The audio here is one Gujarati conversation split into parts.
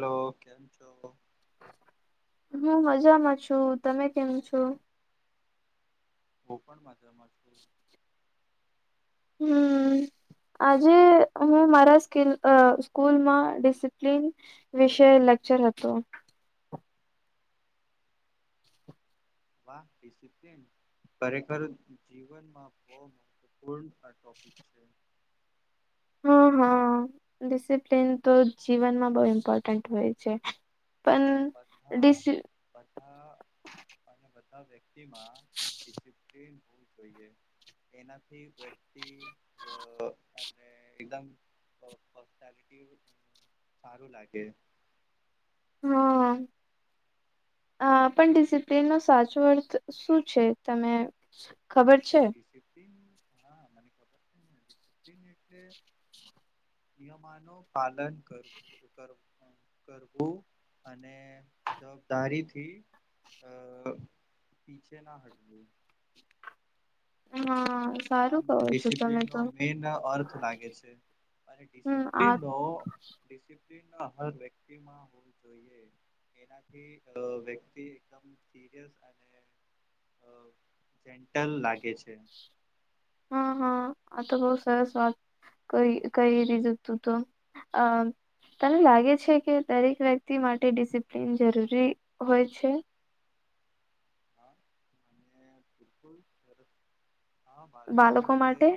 હલો કેમ છો? હું મજામાં છું તમે કેમ છો? હું પણ મજામાં છું હમ આજે હું મારા સ્કીલ સ્કૂલમાં ડિસિપ્લન વિશે લેક્ચર હતો વાહ ડિસપ્લન ખરેખર જીવનમાં [inaudible] મહત્ત્વપૂર્ણ હા હા ડિસિપ્લિન તો જીવનમાં બહુ ઇમ્પોર્ટન્ટ હોય છે. પણ અને બધા ડિસી બધા અને બધા વ્યક્તિમાં ડિસિપ્લન હોવું જોઈએ એનાથી વ્યક્તિ અને એકદમ પર્સનાલિટી સારું લાગે. [inaudible] અ પણ ડિસિપ્લિનનો સાચો અર્થ શું છે તમે ખબર [inaudible] છે નિયમોનું પાલન કરવું. કરવું અને જવાબદારી થી. અ પીછે ના હટવું હા. હા સારું મને કહો છો તમે ડિસિપ્લન નો તો મેન અર્થ લાગે છે. અને હમ આ ડિસિપ્લન ડિસપ્લન હર વ્યક્તિમાં હોવું જોઈએ. કે એનાથી વ્યક્તિ એકદમ સરયસ અને અ જેન્ટલ લાગે છે. હા હા આ તો બઉ સરસ વાત કઈ દીધું તું તો. અ. તને લાગે છે કે દરેક વ્યક્તિ માટે ડિસિપ્લિન જરૂરી હોય છે. હા અને બિલકુલ સરસ હા બાળકો હોય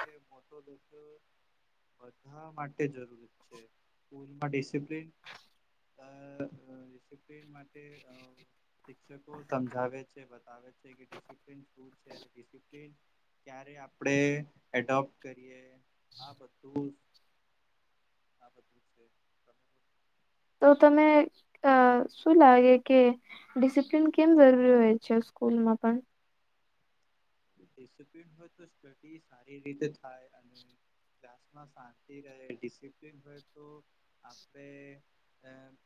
કે મોંટો દુખ. બધા માટે જરૂર છે સ્કૂલમાં ડિસિપ્લન. અ ડિસિપ્લિન માટે અ શિક્ષકો સમજાવે છે બતાવે છે કે ડિસપ્લન શું છે ડીસી પ્લીન કે ક્યારે આપડે એડોપ્ટ કરીએ આ બધું આ બધુ છે. તો તમે આ શું લાગે કે. ડિસિપ્લિન કેમ જરૂરી હોય છે સ્કૂલમાં પણ. ડિસિપ્લન હોય તો સ્ટડી સારી રીતે થાય અને. ક્લાસમાં શાંતિ રહે ડિસિપ્લિન હોય તો આપડે અન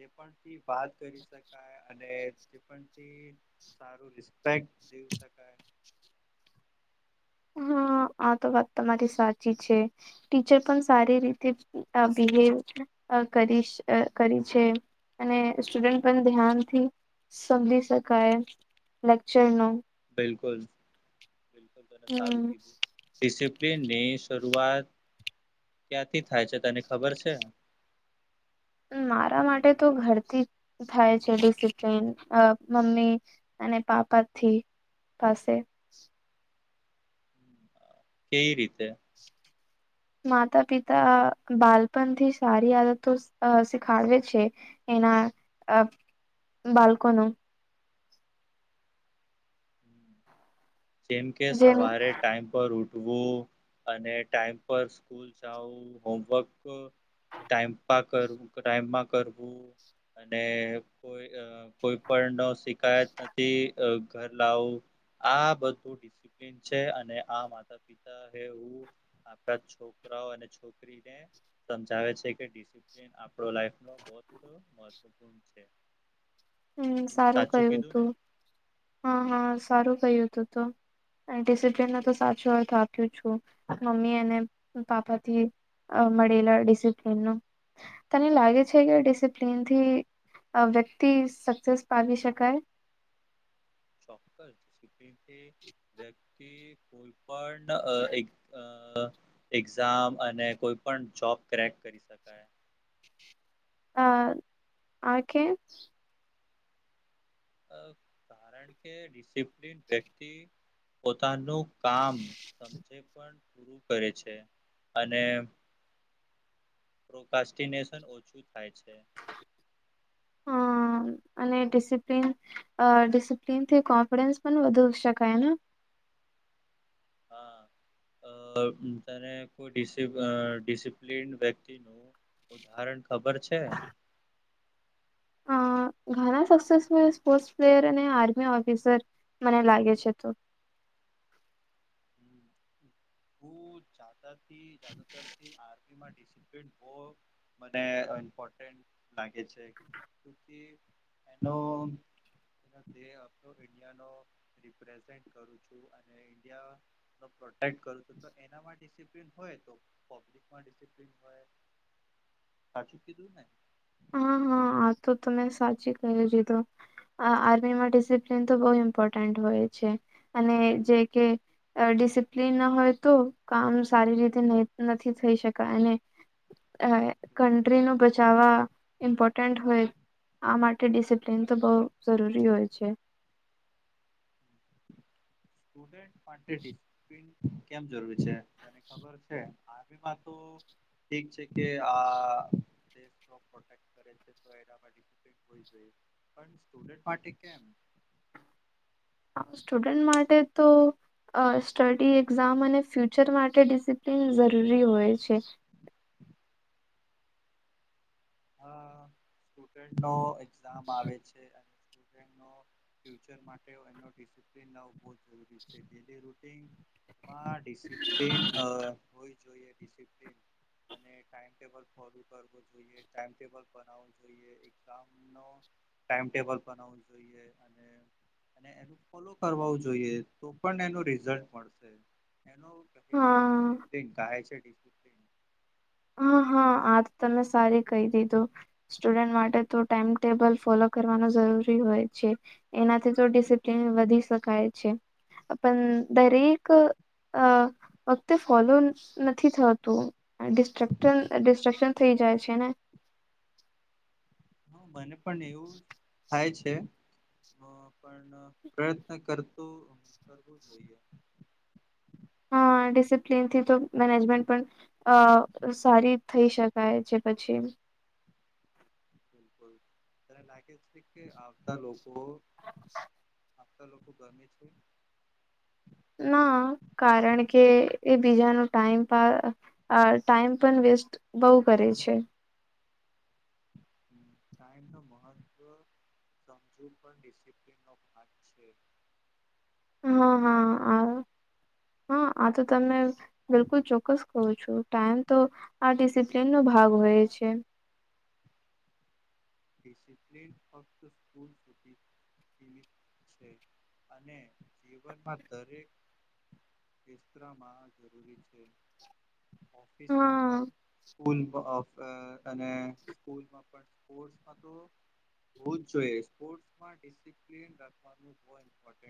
જે પણ ફી બાત કરી શકાય અને તે પણ તી સારું રિસ્પેક્ટ દેવ શકાય. હા આ તો વાત તમારી સાચી છે. ટીચર પણ સારી રીતે બિહેવ કરી કરી બિલકુલ છે. અને સ્ટુડન્ટ પણ ધ્યાનથી સમજી શકાય લેક્ચર નુ. બિલકુલ બિલકુલ તમેં સારું હમ કીધું. ડિસિપ્લિનની શરૂઆત ક્યાંથી થાય છે તને ખબર છે. મારા માટે તો ઘરથી થાય છે ડિસિપ્લીન મમ્મી અને પાપાથી. થસે. કેવી રીતે. માતા પિતા બાળપણ થી સારી આદતો શીખાડવે છે. એના અ બાલકોનું. જેમ કે જેમ સવારે ટાઈમ પર ઉઠવું અને ટાઈમ પર સ્કૂલ જાવું હોમવર્ક ટાઈમ કરું ટાઈમમાં કરવું અને કોઈ કોઈ પણ ન શિકાયત નથી ઘર લાવું આ બધ તુ ડિસિપ્લિન છે અને આ માતા પિતા હે ઉં આખા છોકરાઓ અને છોકરી સમજાવે છે ડિસિપ્લિન આપડો લાઈફનો [inaudible] [inaudible] છે. હમ સારું સાચું કહ્યું કીધું ને તું હા હા સારું કહ્યું તું તો. ડિસિપ્લન નો તો સારો અર્થ આપ્યું છું મમ્મી અને પાપાથી. આ મળીલા ડિસિપ્લેન નો. તને લાગે છે કે ડિસિપ્લીન થી વ્યક્તિ સક્સેસ પાવી શકાય. ચોક્કસ [inaudible] વ્યક્તિ કોઈ પણ એક અ એક્ઝામ અને કોઈ પણ જોબ ક્રેક કરી શકાય. હા આકે અ તા રણકે ડિસિપ્લિન વ્યક્તિ પોતાનું કામ સમઝે પણ પૂરું કરે છે અને પ્રોકાસ્ટિનેશન ઓછું થાય છે. અ [inaudible] અને ડિસિપ્લન ડિસિપ્લન થી કોન્ફિડન્સ પણ વધુ શકાય. હા. અ તને કોઈ ડિસિપ્લીન વ્યક્તિનું ઉદાહરણ ખબર છે? અ ઘણા સક્સેર્સફુલ સ્પોર્ટ પ્લેયર અને આર્મી ઓફિસર મને લાગે છે તો. હું તાથી જાદુતરથી આર્મી મા ડિસિપ્લિન બો મને ઈમ્પોર્ટન્ટ લાગે છે. એનો [unintelligible] પ્રેસેંટે કરું છું અને ઇન્ડિયા નો પ્રોટેક્ટ કરું. એનામાં ડિસિપ્લિન હોય તો પબ્લિકમાં ડિસિપ્લન હોય. સાચું કીધું ને હા હા આ તો તમે સાચી કહી દીધું આર્મીમાં ડિસિપ્લન તો બહુ ઇમ્પોર્ટન્ટ હોય છે અને જે કે ડિસિપ્લિન ના હોય તો કામ સારી રીતે નથી થઈ શકે અને અ કન્ટ્રી નું બચાવા ઇમ્પોર્ટન્ટ હોય આ માટે ડિસિપ્લિન તો બહુ જરૂરી હોય છે. સ્ટુડન્ટ માટે ડિસિપ્લિન કેમ જરૂરી છે તને ખબર છે. આર્મીમાં તો ઠીક છે કે આ કરેુડ માટે કેમ. સ્ટુડન્ટ માટે તો સ્ટડી એક્ઝામ અને ફ્ય શિક્ર માટે ડિસિપ્લિન જરૂરી હોય છે. હ સ્ટુડન્ટ નો એક્ઝામ આવે છે અને ફ્યુચર માટે અને ડિસિપ્લિન જરૂરી છે. ડિસિપ્લન હો જોઈએ ડિસિપ્લન અને ટાઈમટેબલ ફોલ કરવો જોઈએ. ટાઈમટેબલ બનાવવું જોઈએ એક કામ ન ટાઈમટેબલ બનાવવું જોઈએ અને અને એનું ફોલો કરવાવું જોઈએ તો પણ એનું રિઝલ્ટ મળશે. એનો કહે છે હા ડિસિપ્લિન કહે છે ડિસપ્ન હા હા આ તો તમે સારી કહી દીધું. સ્ટુડન્ટ માટે તો ટાઈમ ટેબલ ફોલો કરવાનું જરૂરી હોય છે. એનાથી તો ડિસિપ્લિન વધી શકાય છે પણ દરેક અ વખતે ફોલો નથી થતું. ડ ડિસ્ટ્રક્શન થઈ જાય છે ને. હા મને પણ એવું થાય છે. હ પણ પ્રયત્ન કરતો કરવું જોઈએ. હ ડિસિપ્લન થી તો મેનેજમેન્ટ પણ અ સારી થઈ શકાય જે પછી-' બિલકુલ ત લાગે છે કે આવતા લોકો લોકો ગરમે છે. ના કારણ કે એ બીજાનું ટાઈમ પા અ ટાઈમ પણ વેસ્ટ બહુ કરે છે. હમ કઈ ન મહત્વ સમજૂ પણિસપ્ ન ભાગ છે તેને હા શું હા લાગે છે. આ હા આ તો તમને બિલકુલ ચોક્કસ કું છું ટાઈમ તો આ ડિસિપ્લીન નો ભાગ હોય છે. ડિસિપ્લિન ફક્ત સ્કૂલ્સતી ીમિત છે અને જીવનમાં દરેક કેસ્રામાં જરૂરી છે. ઓફિસમાં હા પણલ અ અને સ્કૂલમાં પણ સ્પોટ જોઈપર્્ રાવાનું [unintelligible] ઇમ્પોર્ છે.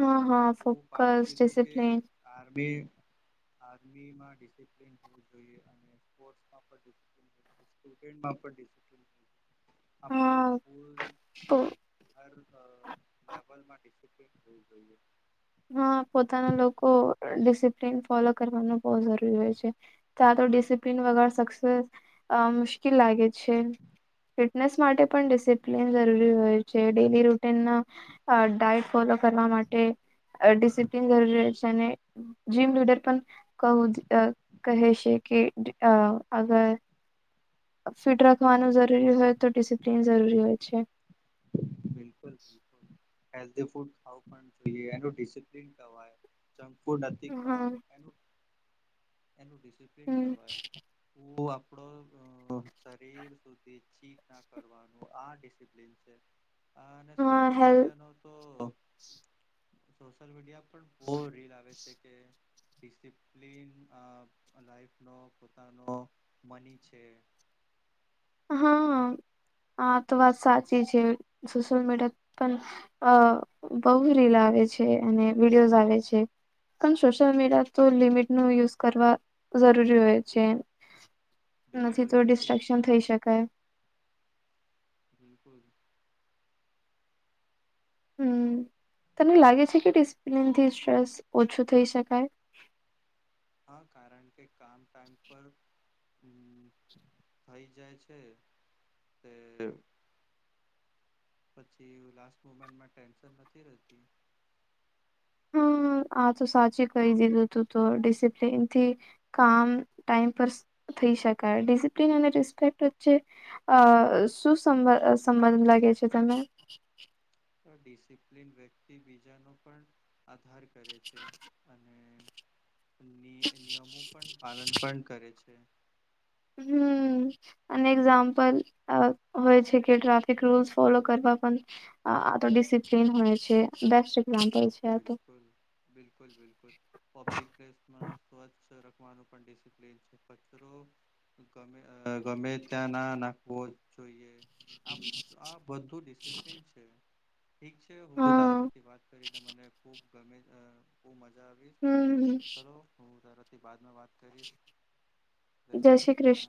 અ હા ફોકસ ડિસિપ્લીન આમી આર્મીમાં ડિસપ્નવું જોઈએ અને સ્પોર્ટ માફ દશું આપપડો હા ફૂલ તો હર લેવલમાં ડિપ્ થું જોઈએ હા પોતાના લોકો ડિસપ્ ફોલો કરવાનું બ જરૂરી હોય છે તો ડિસિપ્લન વગર સસે અ મુશ્કેલ લાગે છે. ફિટનેસ માટે પણ ડિસિપ્લિન જરૂરી હોય છે ડેલી રૂટીન અ ડાયટ ફોલો કરવા માટે ડિસિપ્લન જરૂરી છે અને જીમ લીડર પણ ક કહે છે કે અ અગર ફિટ રાખવાનું જરૂરી હોય તો ડિસિપ્લિન જરૂરી હોય છે. બિલકુલ હેલ્ ફૂડ ખું પણ જોઈએ એિસપ્ન કવાય સંકુ ન હા તમારનું એનું ડિસિપ્લિન હમ કહેવાય. આપડો શરીર સુધીી [inaudible] ના કર કરવાનું આ ડિસિપ્લીન છે. હા, અને સોશિયલ મીડિયા નું તો સોશિયલ મીડિયા પણ... બહુ રીલ આવે છે કે ડિસિપ્લન. અ... લાઈફ નો પોતાનો મની છે. હા, આા તો વાત સાચી છે. સોશિલ મીડિયા પણ... અ.. બહુ રીલ આવે છે. અને વિડીયોઝ આવે છે. પણ સોશિયલ મીડિયા તો લિમિટ નો યુઝ કરવા જરૂરી હોય છે. [inaudible] નથી! તો બિલકુલ ડિસ્ટ્રક્શન થઈ શકાય. બિલકુલ. હમ તને લાગે છે, કે ડિસિપ્લીિન થી સ્ટ્રેસ ઓછું થઈ શકાય. હા, કારણ કે કામ ટાઈમ પર.... હમ થઈ જાય છે. તે.... પછી લાસ્ટ મુમેન્ટમાં ટેન્શન નથી રહેતી. હમ આ તો સાચું કહી દીધું હતું. તો ડિસિપ્લન થી..... કામ ટાઈમ પર થઈ શકાય. ડિસપ્લીન અને રિસ્પેક્ટ વચ્ચે.... અ શું સંબંધ લાગે છે? તને તો ડિસિપ્લિન વ્યક્તિ બીજાનો પણ.... આદર કરે છે. અને નિયમો નું પણ પાલન પણ કરે છે. હમ અને એક્ઝામ્પલ હોય છે. કે ટ્રાફિક રૂલ્સ ફોલો કરવા પણ અ આતો ડિસિપ્લન હોય છે. બેસ્ટ એક્ઝામપલ છે. આ તો બિલકુલ, બિલકુલ-બિલકુલ પબ્લિક પ્લેસમાં સ્વચ્છ રાખવાનું પણ ડિસિપ્લિન છે. કચરો ગમે, ગમે ત્યાં ના નાખવો જોઈએ આ આ બધું ડિસિપ્લન છે. ઠીક છે હું તારા હા સાથે વાત કરી અને મને ખૂબ ગમ્યું. ખૂબ મજા આવી હમ ચલો હું તારાથી બાદમાં વાત કરીશ. જય જયશ્રી શ્રી કૃષ્ણ